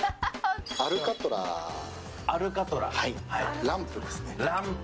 アルカトラ、ランプですね。